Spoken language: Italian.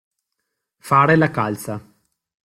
Fare la calza.